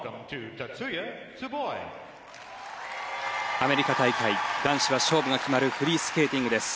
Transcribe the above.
アメリカ大会男子は勝負が決まるフリースケーティングです。